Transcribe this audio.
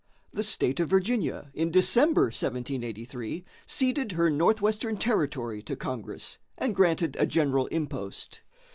The State of Virginia in December, 1783, ceded her northwestern territory to Congress, and granted a general impost.